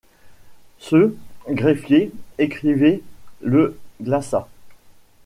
Ce: Greffier, écrivez, le glaça.